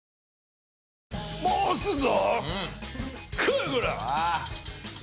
回すぞ！